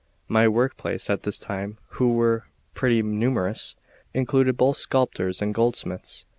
My workpeople at this time, who were pretty numerous, included both sculptors and goldsmiths.